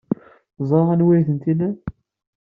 Teẓra anwa ay tent-ilan.